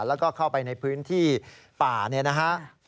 แล้วก็เข้าไปในพื้นที่ป่าเนี่ยนะฮะ